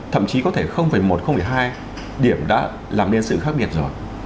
thậm chí có thể một hai điểm đã làm nên sự khác biệt rồi